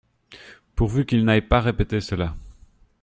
Pourvu qu’il n’aille pas répéter cela.